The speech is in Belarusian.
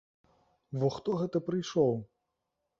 Во хто гэта прыйшоў!